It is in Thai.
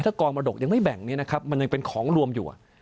กองมรดกยังไม่แบ่งเนี่ยนะครับมันยังเป็นของรวมอยู่